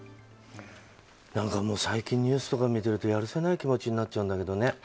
何かもう最近ニュースとか見てるとやるせない気持ちになっちゃうんだけどね。